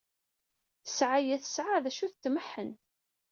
Ssɛaya tesɛa, d acu, tetmeḥḥen.